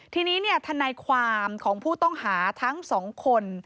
ทีนี้ทนายความของผู้ต้องหาทั้งสองคน